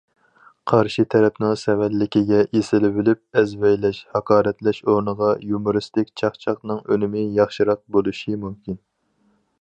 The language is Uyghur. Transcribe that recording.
قارشى تەرەپنىڭ سەۋەنلىكىگە ئېسىلىۋېلىپ ئەزۋەيلەش، ھاقارەتلەش ئورنىغا يۇمۇرىستىك چاقچاقنىڭ ئۈنۈمى ياخشىراق بولۇشى مۇمكىن.